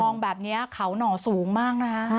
มองแบบนี้เขาหน่อสูงมากนะ